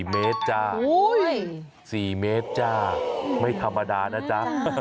๔เมตรจ้า๔เมตรจ้าไม่ธรรมดานะจ๊ะ